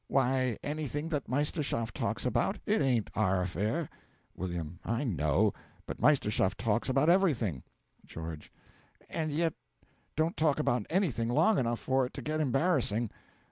Why, anything that Meisterschaft talks about. It ain't our affair. W. I know; but Meisterschaft talks about everything. GEO. And yet don't talk about anything long enough for it to get embarrassing.